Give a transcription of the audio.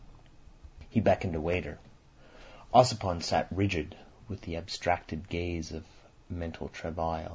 He beckoned to a waiter. Ossipon sat rigid, with the abstracted gaze of mental travail.